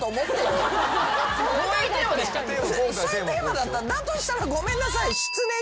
そういうテーマだった？だとしたらごめんなさい。